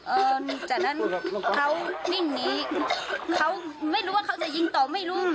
เออจากนั้นเขาวิ่งหนีเขาไม่รู้ว่าเขาจะยิงต่อไม่รู้